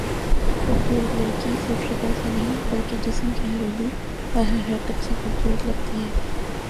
خوبصورت لڑکی صرف شکل سے نہیں بلکہ جسم کے ہر عضو اور ہر حرکت سے خوبصورت لگتی ہے